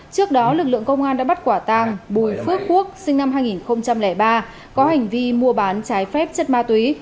trước đó lực lượng công an đã bắt quả tàng bùi phước quốc sinh năm hai nghìn ba có hành vi mua bán trái phép chất ma túy